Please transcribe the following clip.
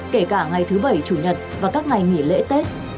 kể cả ngày thứ bảy chủ nhật và các ngày nghỉ lễ tết